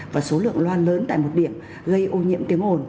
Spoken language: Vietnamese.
và số lượng loan lớn tại một điểm gây ô nhiễm tiếng ồn